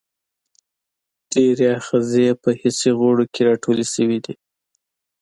ډیری آخذې په حسي غړو کې راټولې شوي دي.